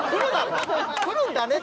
「来るんだね」